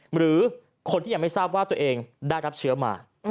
หรือคนที่ยังไม่ทราบว่าตัวเองได้รับเชื้อมา